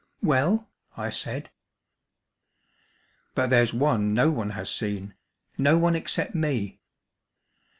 "Well?" I said. "But there's one no one has seen no one except me."